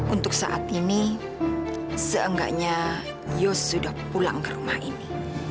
untuk saat ini seenggaknya yos sudah pulang ke rumah ini